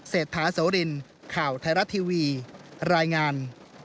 เศรษฐาโสรินข่าวไทยรัฐทีวีรายงาน